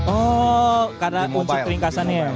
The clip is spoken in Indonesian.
oh karena untuk ringkasannya